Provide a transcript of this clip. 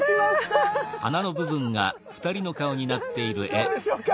どうでしょうか？